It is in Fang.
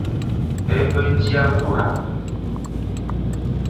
É be dia wé,